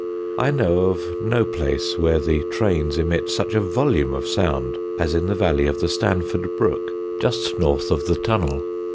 I know of no place where the trains emit such a volume of sound as in the valley of the Stanford brook, just north of the tunnel.